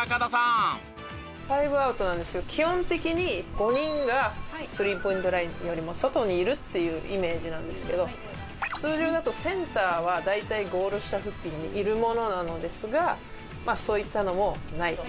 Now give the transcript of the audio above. ファイブアウトなんですけど基本的に５人がスリーポイントラインよりも外にいるっていうイメージなんですけど通常だとセンターは大体ゴール下付近にいるものなんですがそういったのもないと。